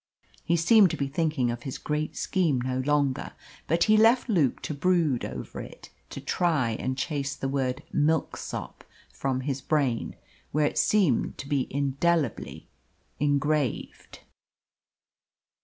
He seemed to be thinking of his great scheme no longer, but he left Luke to brood over it to try and chase the word "Milksop" from his brain, where it seemed to be indelibly engraved.